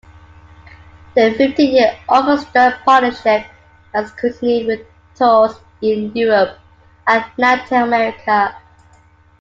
Their fifteen-year orchestral partnership has continued with tours in Europe and Latin America.